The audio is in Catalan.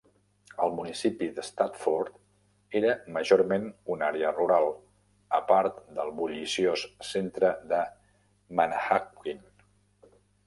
El municipi de Stafford era majorment una àrea rural, a part del bulliciós centre de Manahawkin.